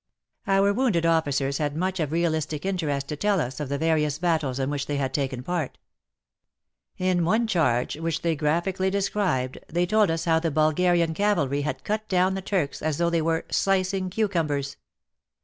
Our wounded officers had much of realistic interest to tell us of the various battles in which they had taken part. In one charge which they graphically described, they told us how the Bulgarian cavalry had cut down the Turks as though they were slicing cucumbers."